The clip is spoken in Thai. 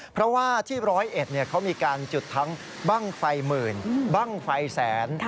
เพราะว่าที่ร้อยเอ็ดเขามีการจุดทั้งบ้างไฟหมื่นบ้างไฟแสน